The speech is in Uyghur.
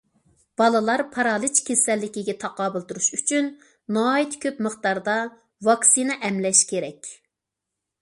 بالىلار پارالىچ كېسەللىكىگە تاقابىل تۇرۇش ئۈچۈن ناھايىتى كۆپ مىقداردا ۋاكسىنا ئەملەش كېرەك.